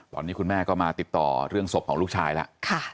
ตอนนี้คุณแม่ก็มาติดต่อเรื่องศพของลูกชายแล้ว